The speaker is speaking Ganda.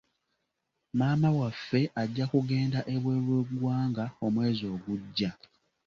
Mukama waffe ajja kugenda ebweru w'eggwanga omwezi ogujja.